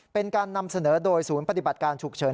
เป็นการนำเสนอโดยศูนย์ปฏิบัติการฉุกเฉิน